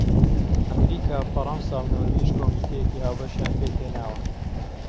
ئەمریكا، فەرانسا و نۆروێژ كۆمیتەیەكی ھاوبەشیان پێكھێناوە